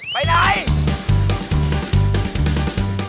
ไปไหน